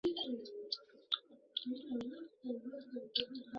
温州地区早在商周时期就已经生产原始瓷器。